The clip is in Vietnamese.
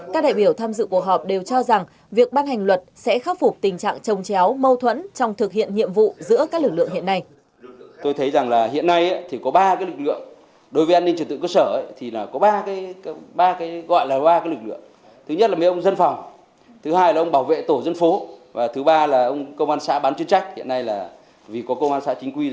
các đại biểu tham dự cuộc họp đều cho rằng việc ban hành luật sẽ khắc phục tình trạng trông chéo mâu thuẫn trong thực hiện nhiệm vụ giữa các lực lượng hiện nay